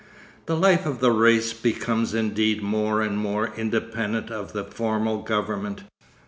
The life of the race becomes indeed more and more independent of the formal government.